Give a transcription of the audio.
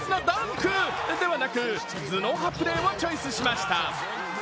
ＮＢＡからは強烈なダンクではなく、頭脳派プレーをチョイスしました。